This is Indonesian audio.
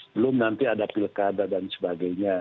belum nanti ada pilkada dan sebagainya